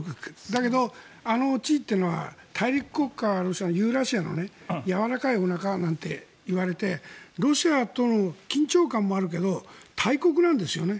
だけど、あの地というのは大陸国家ロシアのユーラシアのやわらかいおなかなんて言われてロシアと緊張感もあるけど大国なんですよね。